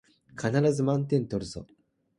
必ず満点取るぞ